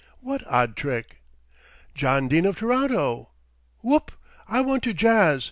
"What odd trick?" "John Dene of Toronto. Whoop! I want to jazz.